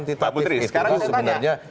tapi mbak putri